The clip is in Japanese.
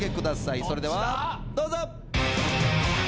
それではどうぞ。